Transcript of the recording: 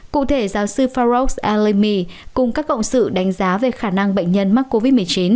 cụ thể giáo sư farog alimi cùng các cộng sự đánh giá về khả năng bệnh nhân mắc covid một mươi chín